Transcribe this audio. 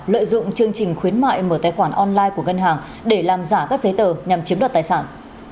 lợi dụng chương trình khuyến mại mở tài khoản online của ngân hàng để làm giả các giấy tờ nhằm chiếm đoạt tài sản